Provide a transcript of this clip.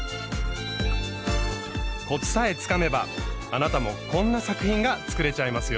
コツさえつかめばあなたもこんな作品が作れちゃいますよ。